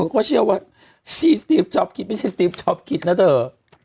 ก็เชื่อว่าที่ติ๊บชอบคิดไม่ใช่ติ๊บชอบคิดนะเถอะ